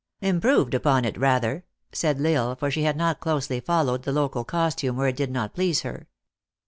" Improved upon it, rather," said L Isle, for she had not closely followed the local costume where it did not please her.